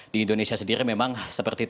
di indonesia sendiri memang seperti